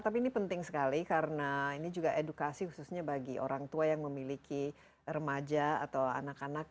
tapi ini penting sekali karena ini juga edukasi khususnya bagi orang tua yang memiliki remaja atau anak anak